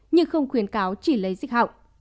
nhưng không khuyến cáo chỉ lấy dịch họng